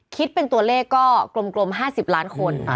คิดเป็นตัวเลขก็กลม๕๐ล้านคน